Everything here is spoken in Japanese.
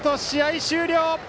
試合終了。